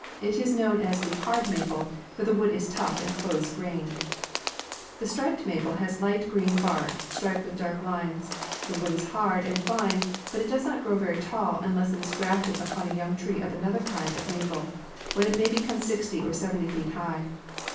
It is known as the "hard" maple, for the wood is tough and close grained. The striped maple has light green bark, striped with dark mountain maile lines. The wood is hard and (REcuceD). fine, but it does not grow very tall unless it is grafted upon a young tree of another kind of ma ple, when it may become sixty or seventy feet high.